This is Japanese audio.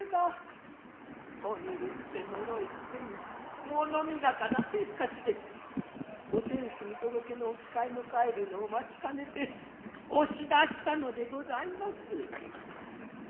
おぬるくてのろい癖にもの見高なせつかちでお天守見届けのお使ひの帰るのを待兼ねて推出したのでございます。